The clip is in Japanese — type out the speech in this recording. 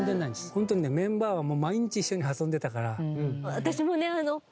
ホントにねメンバーは毎日一緒に遊んでたから。